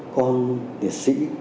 con địa sĩ